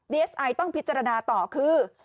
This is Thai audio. เอสไอต้องพิจารณาต่อคือ